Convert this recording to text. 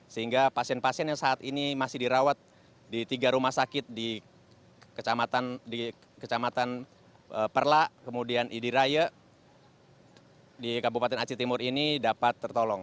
sehingga pasien pasien yang saat ini masih dirawat di tiga rumah sakit di kecamatan perla kemudian idiraya di kabupaten aceh timur ini dapat tertolong